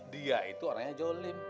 dia itu orangnya jolim